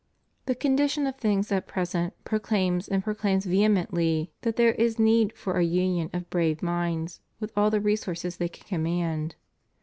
The condition of things at present proclaims, and pro claims vehemently, that there is need for a union of brave minds with all the resources they can command.